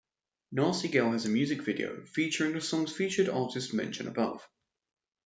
"Nasty Girl" has a music video, featuring the song's featured artists mentioned above.